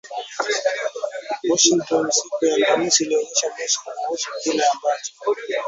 Washington siku ya Alhamisi iliionya Moscow kuhusu kile ambacho